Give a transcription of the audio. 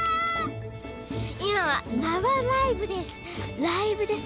今は生ライブです